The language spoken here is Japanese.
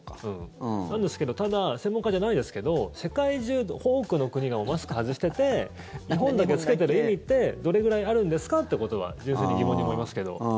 なんですけどただ、専門家じゃないですけど世界中、多くの国がマスク外してて日本だけ着けてる意味ってどれぐらいあるんですかってことは純粋に疑問に思いますけど。